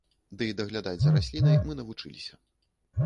Ды і даглядаць за раслінай мы навучыліся.